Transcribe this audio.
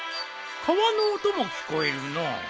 川の音も聞こえるのう。